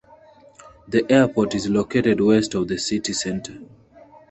The airport is located west of the city centre.